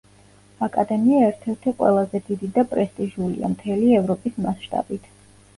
აკადემია ერთ-ერთი ყველაზე დიდი და პრესტიჟულია მთელი ევროპის მასშტაბით.